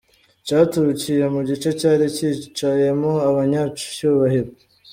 Cyaturukiye mu gice cyari cyicayemo abanyacyubahiro.